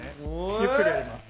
ゆっくりやります。